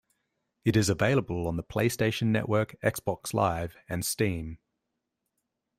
It is available on the PlayStation Network, Xbox Live, and Steam.